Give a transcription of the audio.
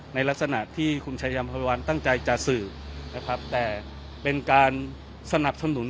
ในลักษณะที่คุณชายัมภาวัลตั้งใจจะสืบนะครับแต่เป็นการสนับสนุน